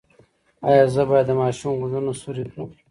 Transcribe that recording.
ایا زه باید د ماشوم غوږونه سورۍ کړم؟